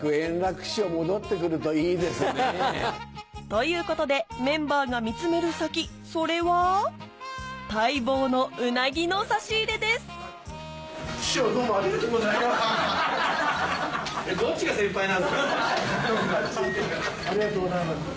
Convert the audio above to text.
ということでメンバーが見つめる先それは待望のうなぎの差し入れですありがとうございます。